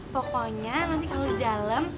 pokoknya nanti kalau di dalam